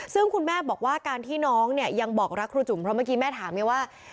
ซึ่งคุณแม่บอกว่าการที่น้องเนี่ยยังบอกรักครูจุ๋มเพราะเมื่อกี้แม่ถามไงว่า